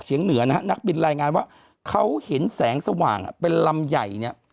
เหนือนะฮะนักบินรายงานว่าเขาเห็นแสงสว่างเป็นลำใหญ่เนี่ย